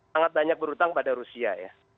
sangat banyak berhutang pada rusia ya